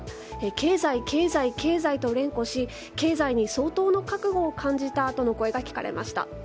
経済、経済、経済と連呼し経済に相当の覚悟を感じたとの声が聞かれました。